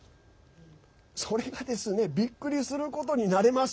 それがびっくりすることになれます。